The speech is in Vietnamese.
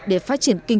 để phát triển nguồn lực